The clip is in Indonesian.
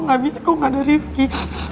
dan gue gak bisa kalau gak ada ripky